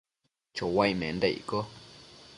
chouaic menda icco ?